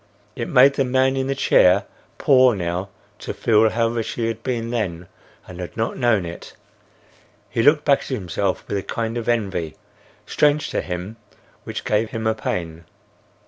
It made the man in the chair poor now to feel how rich he had been then and had not known it. He looked back at himself with a kind of envy, strange to him, which gave him a pain.